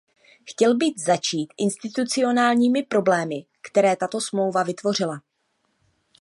Chtěl bych začít institucionálními problémy, které tato smlouva vytvořila.